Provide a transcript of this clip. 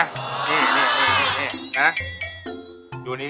นี่นี่อย่างนี้นะ